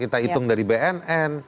kita hitung dari bnn